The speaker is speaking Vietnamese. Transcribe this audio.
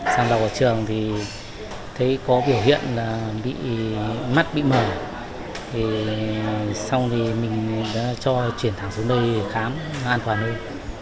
xong rồi vào trường thì thấy có biểu hiện là mắt bị mở xong rồi mình đã cho chuyển thẳng xuống đây để khám an toàn hơn